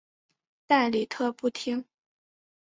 但李特不听。